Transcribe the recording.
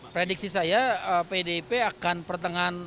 prediksi saya pdip akan pertengahan